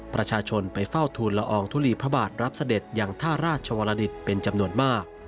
ประชาชนไปเฝ้าทูลละอองทุลีพระบาทรับเสด็จอย่างท่าราชวรดิตเป็นจำนวนมาก